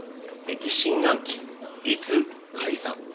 疑心暗鬼、いつ解散。